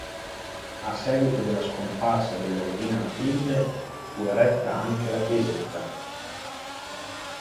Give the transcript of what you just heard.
A seguito della scomparsa della regina Matilde fu eretta anche la chiesetta.